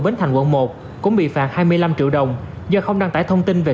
các thủ công mỹ nghệ làng nghề